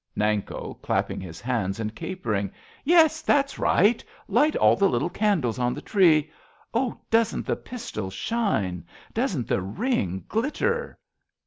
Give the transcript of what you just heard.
Nanko {clapping his hands and capering). Yes, that's right ! Light all the little candles on the tree ! Oh, doesn't the pistol shine, doesn't the ring Glitter